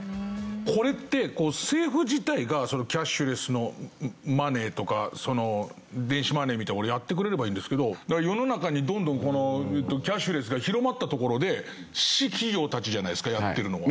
これって政府自体がキャッシュレスのマネーとか電子マネーみたいなものをやってくれればいいんですけど世の中にどんどんこのキャッシュレスが広まったところで私企業たちじゃないですかやってるのは。